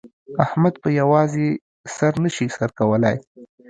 احمد په په یوازې سر نه شي سر کولای.